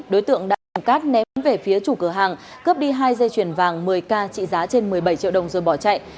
đối tượng đạn cát ném về phía chủ cửa hàng cướp đi hai dây chuyền vàng một mươi k trị giá trên một mươi bảy triệu đồng rồi bỏ chạy